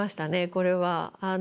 これは。